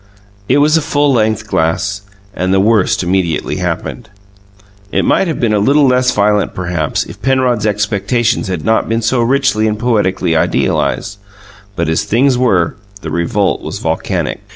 It was a full length glass, and the worst immediately happened. It might have been a little less violent, perhaps, if Penrod's expectations had not been so richly and poetically idealized; but as things were, the revolt was volcanic.